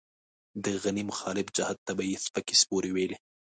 د غني مخالف جهت ته به يې سپکې سپورې ويلې.